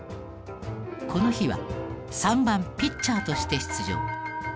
この日は３番ピッチャーとして出場。